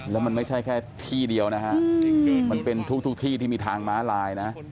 แล้วมันไม่ใช่แค่ที่เดียวนะฮะมันเป็นทุกที่ที่มีทางม้าลายนะ